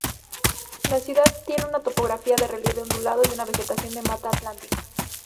La ciudad tiene una topografía de relieve ondulado y una vegetación de mata atlántica.